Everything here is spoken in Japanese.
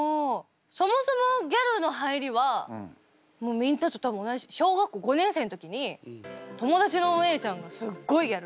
そもそもギャルの入りはみんなと同じ小学校５年生の時に友達のお姉ちゃんがすっごいギャルで。